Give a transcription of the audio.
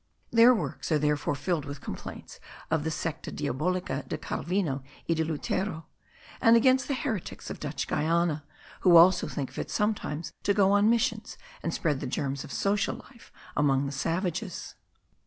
Their works are therefore filled with complaints of the secta diabolica de Calvino y de Lutero, and against the heretics of Dutch Guiana, who also think fit sometimes to go on missions, and spread the germs of social life among the savages.